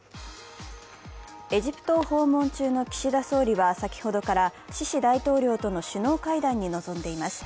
エジプトを訪問中の岸田総理は先ほどからシシ大統領との首脳会談に臨んでいます。